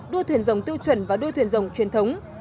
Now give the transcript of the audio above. đua thuyền dòng tiêu chuẩn và đua thuyền rồng truyền thống